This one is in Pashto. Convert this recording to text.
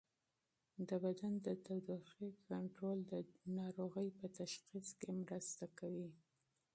د بدن د تودوخې کنټرول د ناروغۍ په تشخیص کې مرسته کوي.